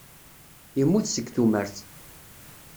Yemmut seg tumert.